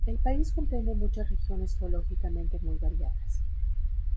El país comprende muchas regiones geológicamente muy variadas.